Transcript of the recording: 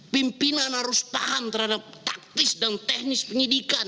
pimpinan harus paham terhadap taktis dan teknis penyidikan